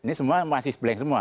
ini semua masih sblank semua